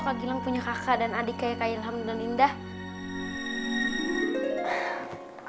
kak gilang punya kakak dan adik kayak kak ilham dan indah